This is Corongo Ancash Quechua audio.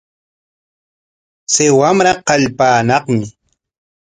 Chay wamra kallpaanaqmi.